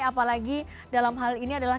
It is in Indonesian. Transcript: apalagi dalam hal ini adalah